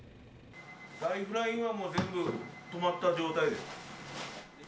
ライフラインは全部止まった状態です。